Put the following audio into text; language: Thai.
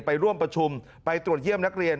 ไปร่วมประชุมไปตรวจเยี่ยมนักเรียน